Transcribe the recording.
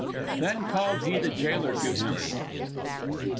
Then called he the jailer to him.